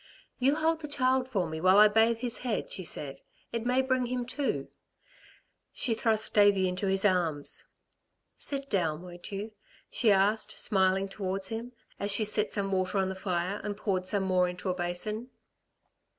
"You hold the child for me while I bathe his head," she said, "it may bring him to." She thrust Davey into his arms. "Sit down, won't you?" she asked, smiling towards him, as she set some water on the fire and poured some more into a basin.